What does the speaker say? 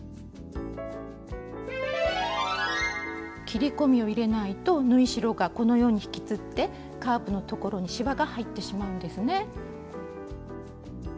切り込みを入れないと縫い代がこのように引きつってカーブのところにしわが入ってしまうんですね。